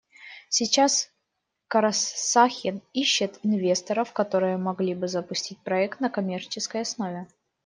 Сейчас Карасахин ищет инвесторов, которые могли бы запустить проект на коммерческой основе.